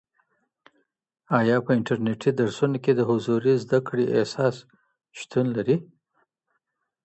آیا په انټرنیټي درسونو کي د حضوري زده کړي احساس شتون لري؟